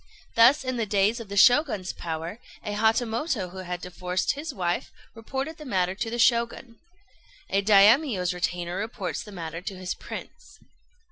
Thus, in the days of the Shoguns' power, a Hatamoto who had divorced his wife reported the matter to the Shogun. A Daimio's retainer reports the matter to his Prince.